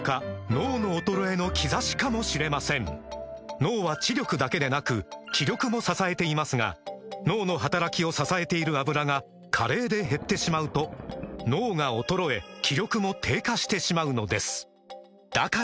脳の衰えの兆しかもしれません脳は知力だけでなく気力も支えていますが脳の働きを支えている「アブラ」が加齢で減ってしまうと脳が衰え気力も低下してしまうのですだから！